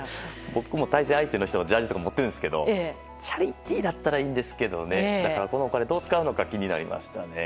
僕も対戦相手の人のジャージーとか持ってるんですけどチャリティーだったらいいんですけどね。このお金、どう使うのか気になりましたね。